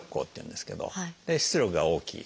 で出力が大きい。